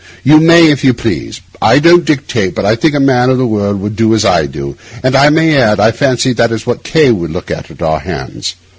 You may, if you please. I don't dictate, but I think a man of the world would do as I do; and I may add, I fancy that is what K— would look for at our hands.